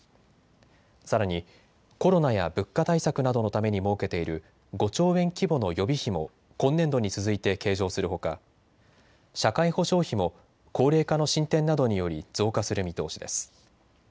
さらにコロナや物価対策などのために設けている５兆円規模の予備費も今年度に続いて計上するほか社会保障費も高齢化の進展などにより増加する見通しです。